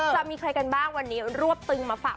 จะมีใครกันบ้างวันนี้รวบตึงมาฝาก